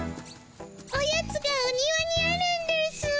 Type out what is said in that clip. おやつがお庭にあるんですぅ。